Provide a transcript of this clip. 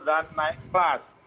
dan naik kelas